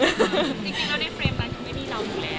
จริงเราที่เฟรม